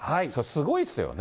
すごいっすよね。